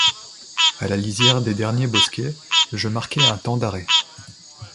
À la lisière des derniers bosquets, je marquai un temps d’arrêt.